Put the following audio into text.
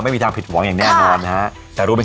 ให้ได้ว่าเป็นสุดยอดแห่งดีไซน์เลย